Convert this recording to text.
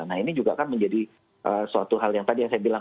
nah ini juga kan menjadi suatu hal yang tadi yang saya bilang